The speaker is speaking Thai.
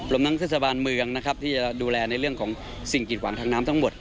รวมทั้งเทศบาลเมืองนะครับที่จะดูแลในเรื่องของสิ่งกิดหวังทางน้ำทั้งหมด